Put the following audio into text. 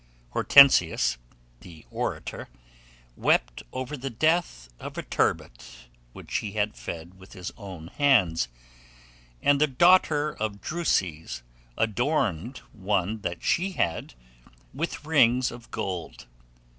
Hortensius, the orator, wept over the death of a turbot which he had fed with his own hands; and the daughter of Druses adorned one that she had, with rings of gold.